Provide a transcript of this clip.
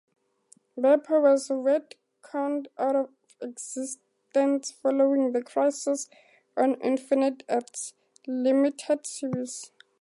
Beppo was retconned out of existence following the "Crisis on Infinite Earths" limited series.